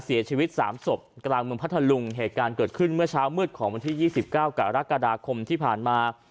เสียชีวิตสามศพกลางเมืองพัทธลุงเหตุการณ์เกิดขึ้นเมื่อเช้ามืดของวันที่๒๙กรกฎาคมที่ผ่านมา